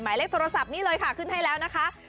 หมายเลขโทรศัพท์นี้เลยค่ะขึ้นให้แล้วนะคะ